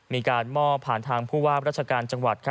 มีการมอบผ่านทางผู้ว่าราชการจังหวัด